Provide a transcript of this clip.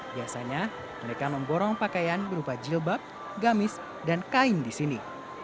biasanya mereka memborong pakaian berupa jilbab gamis dan kain di sini